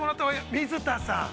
水田さん！